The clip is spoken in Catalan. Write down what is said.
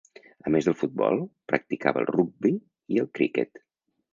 A més del futbol, practicava el rugbi i el criquet.